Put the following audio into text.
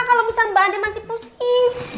kalau misalnya mbak ade masih pusing